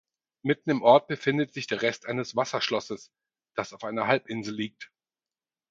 Mitten im Ort befindet sich der Rest eines Wasserschlosses, das auf einer Halbinsel liegt.